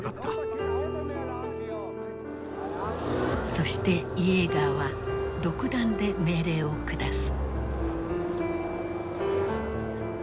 そしてイエーガーは独断で命令を下す。